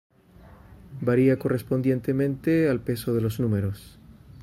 Varia correspondientemente al peso de los números.